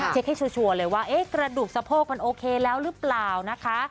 เช็คให้ชัวร์เลยว่ากระดูกสะโพกมันโอเคแล้วหรือเปล่านะคะ